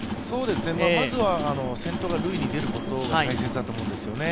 まず先頭が塁に出ることが大切だと思うんですよね。